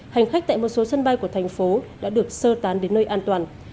hành khách tại một số sân bay của thành phố đã được sơ tán đến nơi an toàn